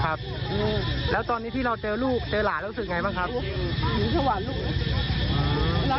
ครับแล้วตอนนี้ที่เราเจอลูกเจอหลานรู้สึกอย่างไรบ้างครับรู้สึกอยู่ชะวัดลูก